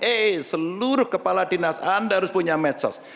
eh seluruh kepala dinas anda harus punya medsos